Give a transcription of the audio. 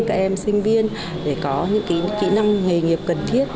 các em sinh viên để có những kỹ năng nghề nghiệp cần thiết